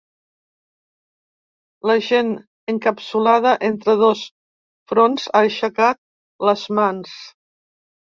La gent encapsulada entre dos fronts ha aixecat les mans.